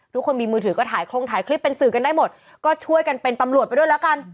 ทุกคนมีมือถือก็ถ่ายโครงถ่ายคลิปเป็นสื่อกันได้หมดก็ช่วยกันเป็นตำรวจไปด้วยแล้วกัน